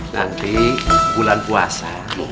nanti bulan puasa